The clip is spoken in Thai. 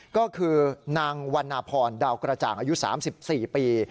ก็คือนางวันนาพรดาวกระจ่างอายุ๓๔ปี